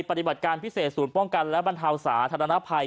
ปฏิบัติการพิเศษศูนย์ป้องกันและบรรเทาสาธารณภัย